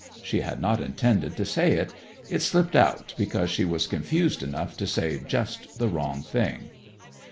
She had not intended to say it. It slipped out because she was confused enough to say just the wrong thing.